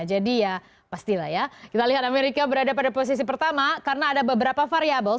jadi ya pastilah ya kita lihat amerika berada pada posisi pertama karena ada beberapa variable